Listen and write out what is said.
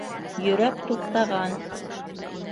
Йөрәк туҡтаған.